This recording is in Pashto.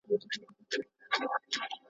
ښه خوب د ذهني فشار کموي.